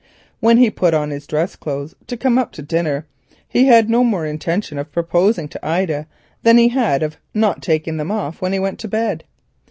When he put on his dress clothes to come up to dinner, he had no more intention of proposing to Ida than he had of not taking them off when he went to bed.